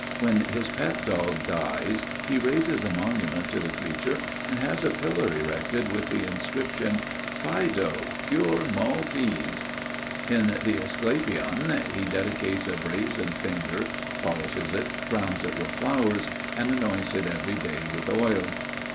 When his pet dog dies, he raises a monument to the creature, and has a pillar erected with the inscription: "Fido, Pure Maltese." In the Asclepieion he dedicates a brazen finger, polishes it, crowns it with flowers, and anoints it every day with oil.